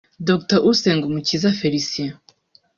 Dr Usengumukiza Felicien